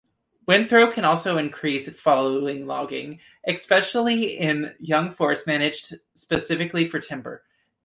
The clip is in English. Windthrow can also increase following logging, especially in young forests managed specifically for timber.